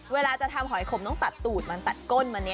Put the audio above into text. เวลาจะทำหอยขมต้องตัดตูดมานี่